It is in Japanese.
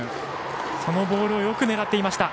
そのボールをよく狙っていきました。